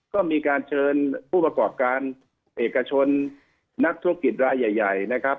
ก็มีการเชิญผู้ประกอบการเอกชนนักธุรกิจรายใหญ่นะครับ